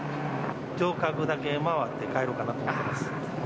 城郭だけ回って帰ろうかなと思ってます。